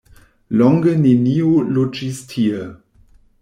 Longe neniu loĝis tie.